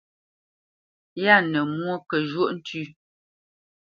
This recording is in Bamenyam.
Yâ nə mwô kə zhwóʼ ntʉ́.